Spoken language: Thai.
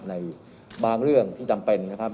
ในบางเรื่องที่จำเป็นนะครับ